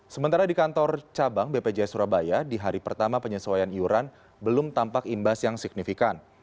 sementara di kantor cabang bpjs surabaya di hari pertama penyesuaian iuran belum tampak imbas yang signifikan